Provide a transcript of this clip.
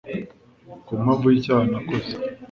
ku mpamvu y'icyaha nakoze